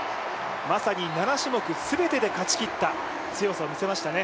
まさに７種目全てで勝ちきった、強さを見せましたね。